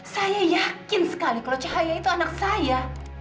saya yakin sekali kalau cahaya itu anak saya